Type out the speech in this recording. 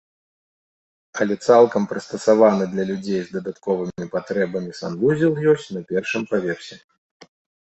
Але цалкам прыстасаваны для людзей з дадатковымі патрэбамі санвузел ёсць на першым паверсе.